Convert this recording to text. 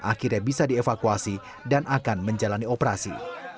akhirnya bisa dievakuasi dan akan menjalani operasi